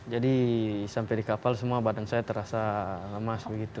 jadi sampai di kapal semua badan saya terasa lemas begitu